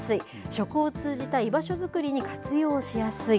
食を通じた居場所作りに活用しやすい。